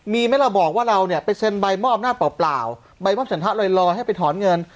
มีมั้ยเราบอกว่าเราเนี่ยไปเซ็นใบมอบนาจเปล่าใบมอบสัญลักษณะรอยรอให้ไปถอนเงิน